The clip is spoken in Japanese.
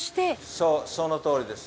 そうそのとおりです。